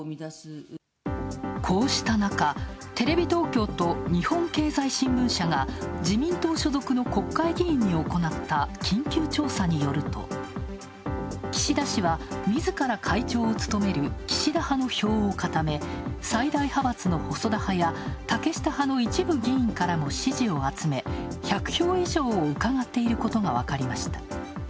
こうした中、テレビ東京と日本経済新聞社が自民党所属の国会議員に行った緊急調査によると岸田氏はみずから会長を務める岸田派の票を固め最大派閥の細田派や竹下派の一部議員からも支持を集め１００票以上をうかがっていることが分かりました。